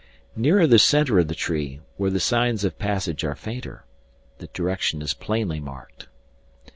Nearer the center of the tree, where the signs of passage are fainter, the direction is plainly marked.